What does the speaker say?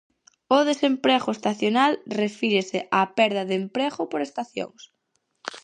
O desemprego estacional refírese á perda de emprego por estacións.